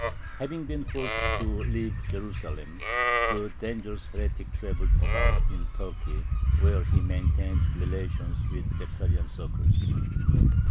Having been forced to leave Jerusalem, the dangerous heretic traveled about in Turkey, where he maintained relations with sectarian circles.